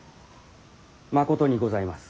まことにございます。